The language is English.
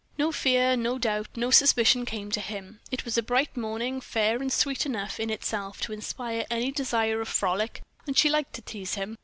No fear, no doubt, no suspicion came to him. It was a bright morning, fair and sweet enough in itself to inspire any desire of frolic, and she liked to tease him.